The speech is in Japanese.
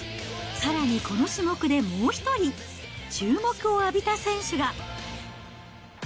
さらに、この種目でもう一人、注目を浴びた選手が。